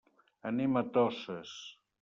Anem a Toses.